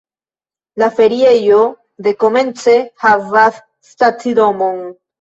La feriejo dekomence havas stacidomon.